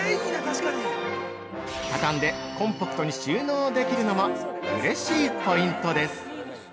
畳んでコンパクトに収納できるのもうれしいポイントです。